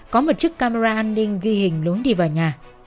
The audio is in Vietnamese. có một chức camera an ninh ghi hình lúng đi vào nhà